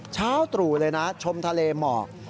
เช้าตรู่เลยนะชมทะเลหมอก